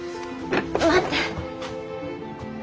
待って。